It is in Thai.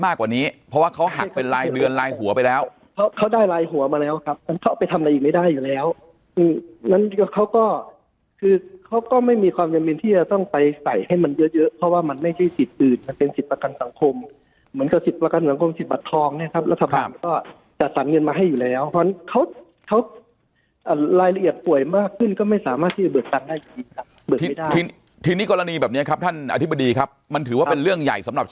ไม่ใช่สิทธิ์อื่นมันเป็นสิทธิ์ประกันสังคมเหมือนกับสิทธิ์ประกันสังคมสิทธิ์บัตรทองเนี้ยครับรัฐบาลก็จะสั่งเงินมาให้อยู่แล้วเพราะเขาเขารายละเอียดป่วยมากขึ้นก็ไม่สามารถที่จะเบิกประกันได้อย่างนี้ครับเบิกไม่ได้ทีนี้กรณีแบบเนี้ยครับท่านอธิบดีครับมันถือว่าเป็นเรื่องใหญ่สํ